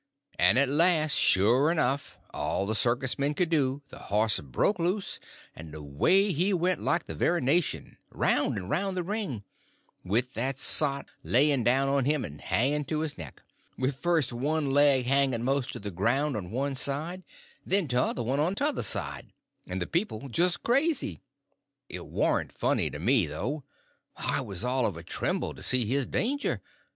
And at last, sure enough, all the circus men could do, the horse broke loose, and away he went like the very nation, round and round the ring, with that sot laying down on him and hanging to his neck, with first one leg hanging most to the ground on one side, and then t'other one on t'other side, and the people just crazy. It warn't funny to me, though; I was all of a tremble to see his danger.